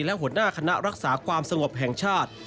และหัวหน้าคณะรักษาความสงบแห่งชาติ